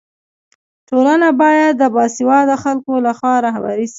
ټولنه باید د باسواده خلکو لخوا رهبري سي.